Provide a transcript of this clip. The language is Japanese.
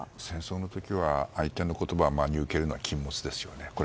戦争の時は、相手の言葉を真に受けるのは禁物ですよね。